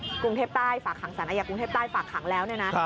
กรุงเทพใต้ฝากขังสารอาญากรุงเทพใต้ฝากขังแล้วเนี่ยนะ